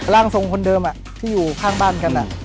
ร่างทรงคนเดิมที่อยู่ข้างบ้านกัน